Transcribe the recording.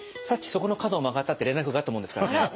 さっきそこの角を曲がったって連絡があったもんですからね。